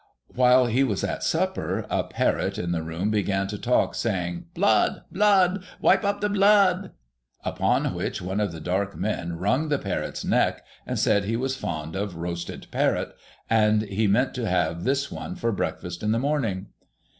^Vhile he was at supper, a parrot in the room began to talk, saying, ' Blood, blood ! Wijje up the blood !' Upon which one of the dark men wrung the parrot's neck, and said he w^as fond of roasted parrots, and he meant to have this one for breakfast in the morning.